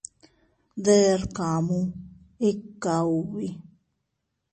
Deʼr kamu, ikka ubi.